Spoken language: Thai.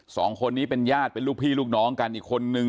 สองคนนี้เป็นญาติเป็นลูกพี่ลูกน้องกันอีกคนนึง